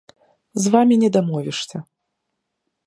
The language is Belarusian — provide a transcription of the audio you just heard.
З вамі не дамовішся.